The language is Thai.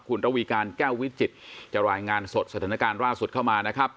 คุณระวีการแก้ววิจิตจะรายงานสดสถานการณ์ล่าสุดเข้ามานะครับ